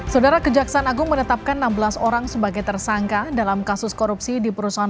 saudara kejaksaan agung menetapkan enam belas orang sebagai tersangka dalam kasus korupsi di perusahaan